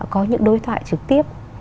có những đối thoại trực tiếp